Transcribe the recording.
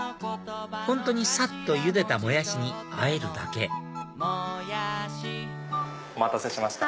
本当にさっとゆでたモヤシにあえるだけお待たせしました。